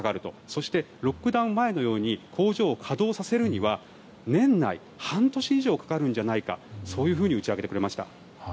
そして、ロックダウン前のように工場を稼働させるには年内、半年以上かかるんじゃないかというふうに打ち明けてくれました。